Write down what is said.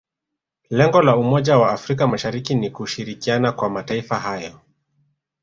lengo la umoja wa afrika mashariki ni kushirikiana kwa mataifa hayo